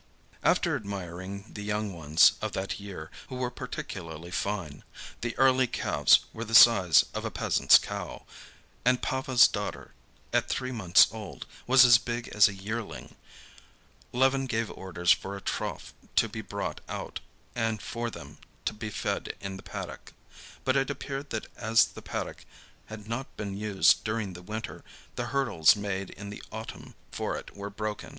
After admiring the young ones of that year, who were particularly fine—the early calves were the size of a peasant's cow, and Pava's daughter, at three months old, was as big as a yearling—Levin gave orders for a trough to be brought out and for them to be fed in the paddock. But it appeared that as the paddock had not been used during the winter, the hurdles made in the autumn for it were broken.